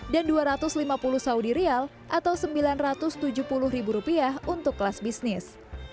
dan dua ratus lima puluh saudi rial atau sembilan ratus tujuh puluh ribu rupiah untuk kelas bisnis